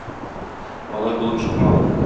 Алай булып чыкмады.